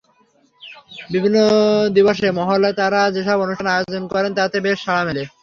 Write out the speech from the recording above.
বিভিন্ন দিবসে মহল্লায় তাঁরা যেসব অনুষ্ঠানের আয়োজন করেন, তাতে বেশ সাড়া মেলে।